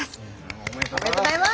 おめでとうございます！